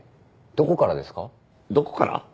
どこから？